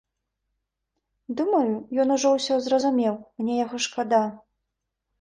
Думаю, ён ужо ўсё зразумеў, мне яго шкада.